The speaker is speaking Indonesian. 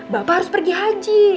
bapak harus pergi haji